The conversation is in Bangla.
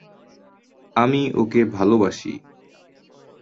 আমি ওকে ভালবাসি।